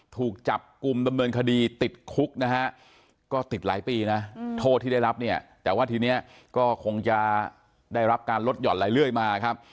ถูกจับกลุ่มดำเนินคดีติดคุกนะฮะก็ติดหลายปีนะโทษที่ได้รับเนี่ยแต่ว่าทีนี้ก็คงจะได้รับการลดหย่อนหลายเรื่อยมาครับ